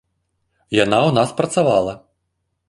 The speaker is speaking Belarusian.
Яна ў нас працавала.